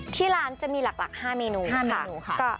ที่ร้านจะมีหลัก๕เมนูค่ะ